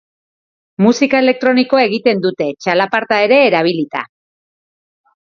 Musika elektronikoa egiten dute, txalaparta ere erabilita.